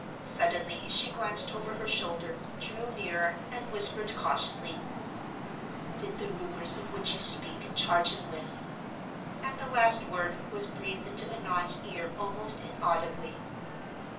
Suddenly she glanced over her shoulder, drew nearer, and whispered cautiously, "Did the rumors of which you speak charge him with " and the last word was breathed into Annon's ear almost inaudibily.